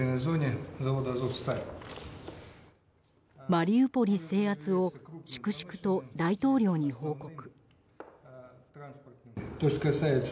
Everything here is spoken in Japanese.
マリウポリ制圧を粛々と大統領に報告。